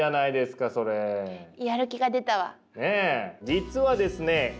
実はですね